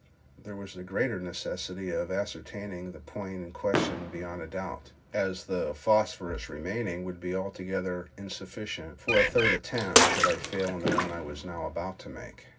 There was the greater necessity of ascertaining the point in question beyond a doubt, as the phosphorus remaining would be altogether insufficient for a third attempt, should I fail in the one I was now about to make.